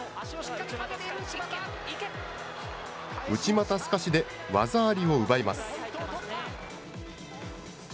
内またすかしで技ありを奪います。